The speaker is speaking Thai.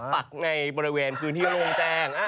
ปักในบริเวณพื้นที่โล่งแจ้ง